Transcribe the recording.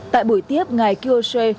tại buổi tiếp ngày kyoshe